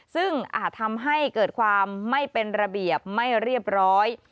ซึ่งอาจทำให้เกิดความไม่เป็นระเบียบไม่เรียบร้อย